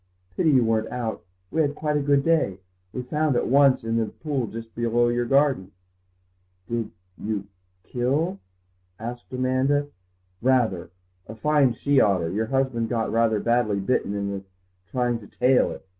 "Pity you weren't out; we had quite a good day. We found at once, in the pool just below your garden." "Did you—kill?" asked Amanda. "Rather. A fine she otter. Your husband got rather badly bitten in trying to 'tail it.